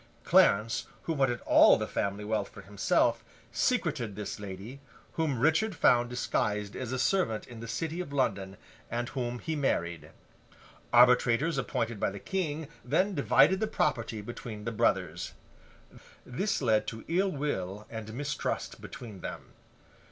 Clarence, who wanted all the family wealth for himself, secreted this lady, whom Richard found disguised as a servant in the City of London, and whom he married; arbitrators appointed by the King, then divided the property between the brothers. This led to ill will and mistrust between them.